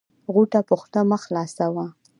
غوټه په خوله مه خلاصوی